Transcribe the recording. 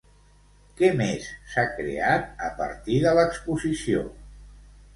Què més s'ha creat a partir de l'exposició?